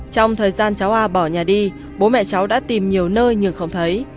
trong thời gian cháu a bỏ nhà đi bố mẹ cháu đã tìm nhiều nơi nhưng không thấy